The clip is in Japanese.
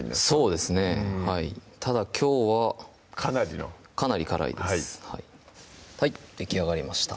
そうですねはいただきょうはかなりのかなり辛いですはいできあがりました